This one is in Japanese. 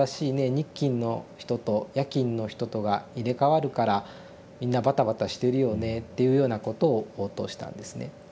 日勤の人と夜勤の人とが入れ代わるからみんなバタバタしてるよね」っていうようなことを応答したんですね。